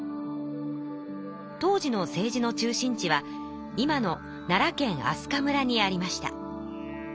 当時の政治の中心地は今の奈良県飛鳥村にありました。